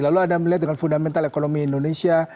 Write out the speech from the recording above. lalu anda melihat dengan fundamental ekonomi indonesia